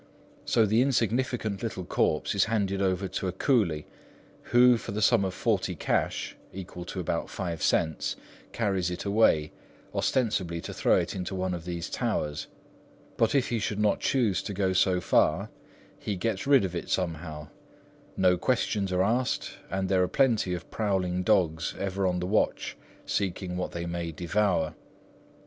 So the insignificant little corpse is handed over to a coolie, who, for the sum of forty cash, equal to about five cents, carries it away, ostensibly to throw it into one of these towers; but if he should not choose to go so far, he gets rid of it somehow,—no questions are asked, and there are plenty of prowling dogs ever on the watch seeking what they may devour.